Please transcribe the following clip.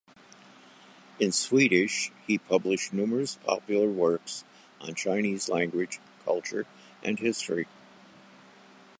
In Swedish he published numerous popular works on Chinese language, culture and history.